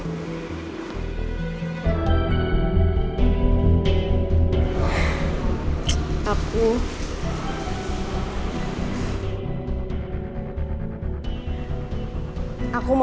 gak peduli lagi sama siapa